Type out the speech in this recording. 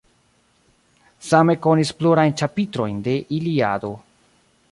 Same konis plurajn ĉapitrojn de Iliado.